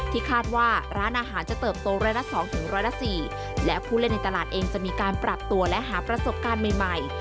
คาดว่าร้านอาหารจะเติบโตร้อยละ๒ร้อยละ๔และผู้เล่นในตลาดเองจะมีการปรับตัวและหาประสบการณ์ใหม่